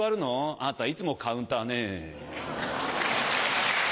あなたいつもカウンターねぇ。